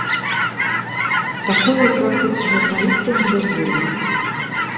Такое ў практыцы журналістаў не дазволена.